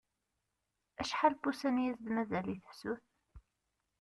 Acḥal n wussan i as-d-mazal i tefsut?